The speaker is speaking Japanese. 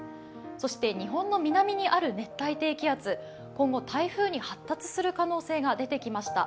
そして日本の南にある熱帯低気圧、今後台風に発達する可能性が出てきました。